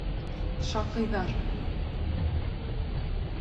Шаҡыйҙар!